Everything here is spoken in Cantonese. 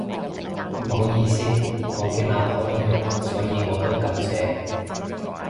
唔好意思，我見阿婆都用所以我都噉寫